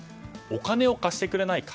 お金を貸してくれないか。